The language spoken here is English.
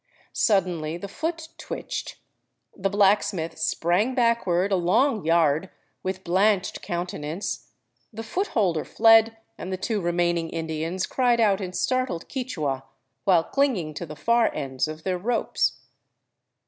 Suddenly the foot twitched. The blacksmith sprang backward a long yard, with blanched countenance, the foot holder fled, and the two remaining Indians cried out in startled Quichua, while clinging to the far ends of their ropes.